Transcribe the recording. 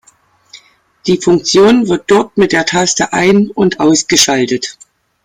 Die Funktion wird dort mit der Taste ein- und ausgeschaltet.